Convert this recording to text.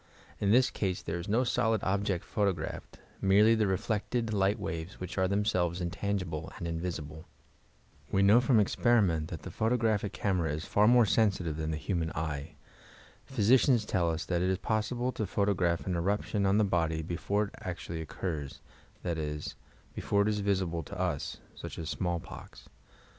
In this case there is no solid object photographed — merely the reflected li^t waves whi^h are themselres intangible and invisible. We know from exx>eriment that the photc^raphie THOUGnT PIIOTOGRAPIIT 335 9 is far more sensitive thaa the human eye. Physi cians tell us that it is possible to photograph an eruption on the body before it actually occurs, that is, before it iB visible to us (such as smallpox).